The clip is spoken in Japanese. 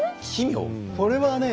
これはね